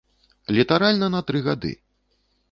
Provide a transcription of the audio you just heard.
Літаральна на тры гады.